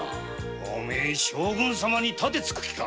おめえ将軍様に盾つく気か！